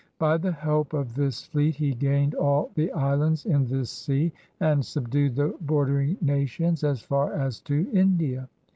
By the help of this fleet, he gained all the islands in this sea, and subdued the bordering nations as far as to India.